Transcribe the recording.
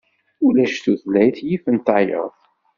Ulac tutlayt yifen tayeḍ.